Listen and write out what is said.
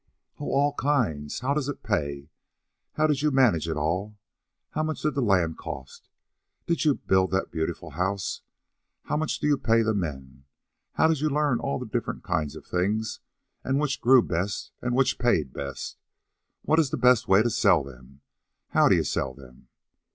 "Oh, all kinds. How does it pay? How did you manage it all? How much did the land cost? Did you build that beautiful house? How much do you pay the men? How did you learn all the different kinds of things, and which grew best and which paid best? What is the best way to sell them? How do you sell them?"